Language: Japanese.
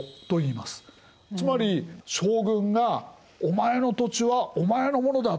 つまり将軍が「お前の土地はお前のものだ。